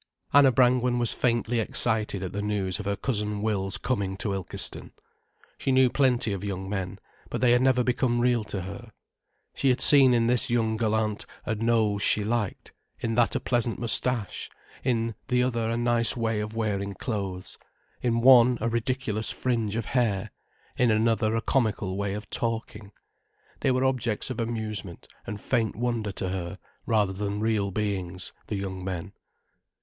Anna Brangwen was faintly excited at the news of her Cousin Will's coming to Ilkeston. She knew plenty of young men, but they had never become real to her. She had seen in this young gallant a nose she liked, in that a pleasant moustache, in the other a nice way of wearing clothes, in one a ridiculous fringe of hair, in another a comical way of talking. They were objects of amusement and faint wonder to her, rather than real beings, the young men.